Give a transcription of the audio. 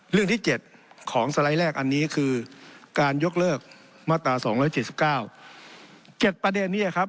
เรื่องที่เจ็ดของสไลด์แรกอันนี้คือการยกเลิกมาตราสองร้อยเจ็ดสิบเก้าเจ็ดประเด็นนี้ครับ